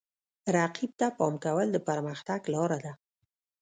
رقیب ته پام کول د پرمختګ لاره ده.